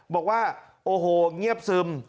บอกว่าโอ้โหเงียบซึม